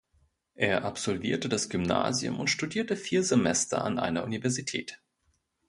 Er absolvierte das Gymnasium und studierte vier Semester an einer Universität.